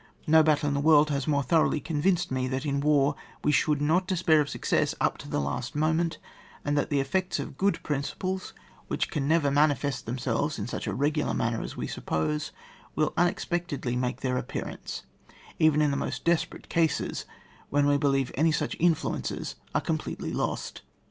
No battle in the world has more thoroughly convinced me, that in war we should not despair of success up to the last moment, cmd that the effects of good principles, which can never manifefit themselves in such a regular manner as we suppose, will unexpectedly make their appearance, even in the most desperate cases, when we believe any such influ ences are completely lost.